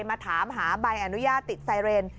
มาถามหาใบอนุญาตติดไซเรน